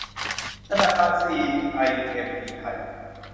ธนาคารซีไอเอ็มบีไทย